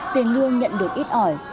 tiền lương nhận được ít ỏi